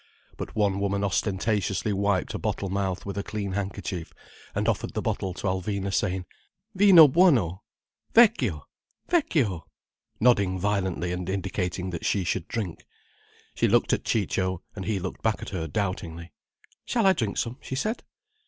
But one woman ostentatiously wiped a bottle mouth with a clean handkerchief, and offered the bottle to Alvina, saying: "Vino buono. Vecchio! Vecchio!" nodding violently and indicating that she should drink. She looked at Ciccio, and he looked back at her, doubtingly. "Shall I drink some?" she said.